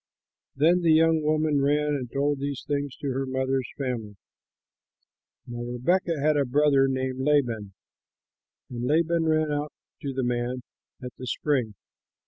Then the young woman ran and told these things to her mother's family. Now Rebekah had a brother named Laban; and Laban ran out to the man at the spring.